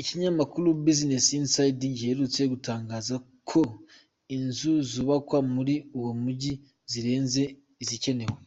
Ikinyamakuru Business Insider giherutse gutangaza ko inzu zubakwa muri uwo mujyi zirenze izikenewe.